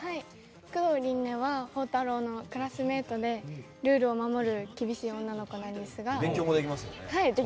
九堂りんねは、宝太郎のクラスメートでルールを守る厳しい女の子です。